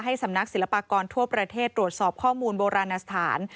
สำนักศิลปากรทั่วประเทศตรวจสอบข้อมูลโบราณสถาน